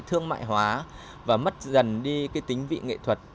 thương mại hóa và mất dần đi cái tính vị nghệ thuật